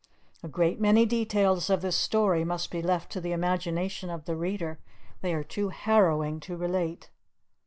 A great many details of this story must be left to the imagination of the reader; they are too harrowing to relate.